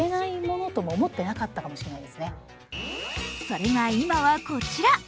それが今はこちら。